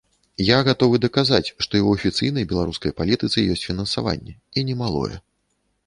Я гатовы даказаць, што і ў афіцыйнай беларускай палітыцы ёсць фінансаванне, і немалое.